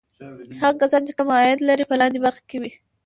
هغه کسان چې کم عاید لري په لاندې برخه کې وي.